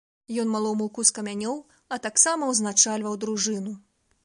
Ён малоў муку з камянёў, а таксама ўзначальваў дружыну.